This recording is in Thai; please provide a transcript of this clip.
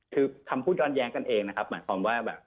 คือคำพูดย้อนแย้งกันเองนะครับ